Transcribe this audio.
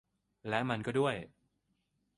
และมันก็ด้วย